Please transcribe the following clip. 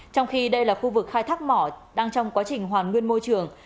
trong khi đây là khu vực khai thác mỏ đang trong quá trình hoàn nguyên môi trường